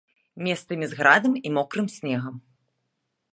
Месцамі з градам і мокрым снегам.